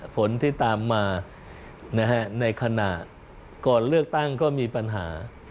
ผลที่ตามมาในขณะก่อนเลือกตั้งก็มีปัญหา